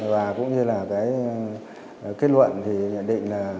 và cũng như là cái kết luận thì nhận định là